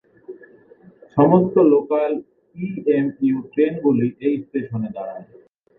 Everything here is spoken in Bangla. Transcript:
সমস্ত লোকাল ইএমইউ ট্রেনগুলি এই স্টেশনে দাঁড়ায়।